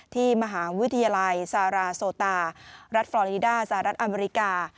ที่มหาวิทยาลัยซาราโซตารัฐฟรอลิดาสหรัฐอเมริกา